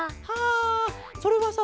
あそれはさ